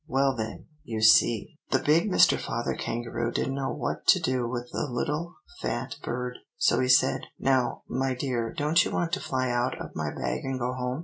"Well then, you see, the big Mr. Father Kangaroo didn't know what to do with the little fat bird; so he said, 'Now, my dear, don't you want to fly out of my bag and go home?